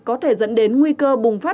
có thể dẫn đến nguy cơ bùng phát